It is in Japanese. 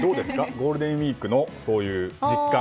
ゴールデンウィークのそういう実感。